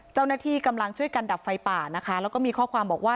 เจ้าหน้าที่กำลังช่วยกันดับไฟป่านะคะแล้วก็มีข้อความบอกว่า